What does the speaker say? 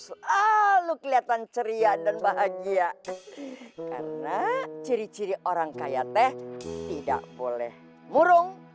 selalu kelihatan ceria dan bahagia karena ciri ciri orang kaya teh tidak boleh murung